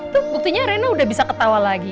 tuh buktinya rena udah bisa ketawa lagi